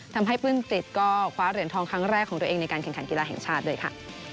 ปลื้มจิตก็คว้าเหรียญทองครั้งแรกของตัวเองในการแข่งขันกีฬาแห่งชาติด้วยค่ะ